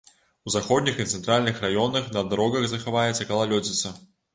У заходніх і цэнтральных раёнах на дарогах захаваецца галалёдзіца.